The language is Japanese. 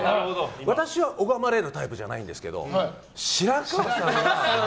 私は拝まれるタイプじゃないんですけど白川さんが。